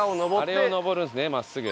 あれを上るんですね真っすぐ。